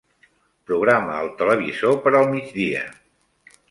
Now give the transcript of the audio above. Programa el televisor per al migdia.